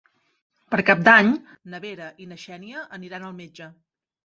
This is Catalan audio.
Per Cap d'Any na Vera i na Xènia aniran al metge.